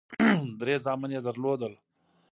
درې زامن یې درلودل.